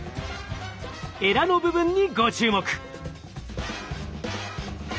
エラの部分にご注目。